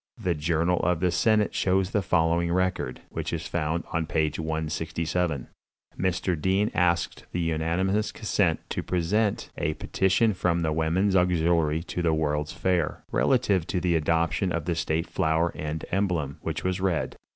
The journal of the senate shows the following record, which is found on page 167: "Mr. Dean asked the unanimous consent to present a petition from the Women's Auxiliary to the World's Fair, relative to the adoption of a state flower and emblem, which was read.